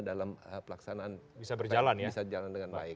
dalam pelaksanaan bisa berjalan ya